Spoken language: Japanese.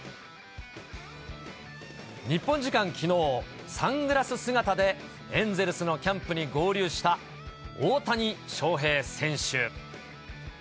日本時間きのう、サングラス姿でエンゼルスのキャンプに合流した大谷翔平選手。